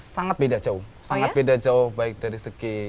sangat beda jauh sangat beda jauh baik dari segi